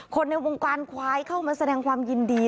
ในวงการควายเข้ามาแสดงความยินดี